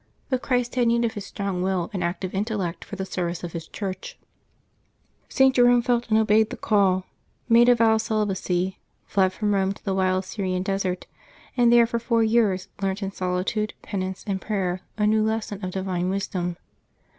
But Christ had need of his strong will and active intellect for the service of His Church. St. Jerome felt and obeyed the call, made a vow of celi bacy, fled from Eome to the wild Syrian desert, and there for four years learnt in solitude, penance, and prayer a new lesson of divine wisdom.